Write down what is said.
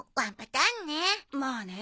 まあね。